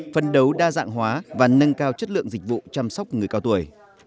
phân đấu đa dạng hóa và nâng cao chất lượng dịch vụ chăm sóc người cao tuổi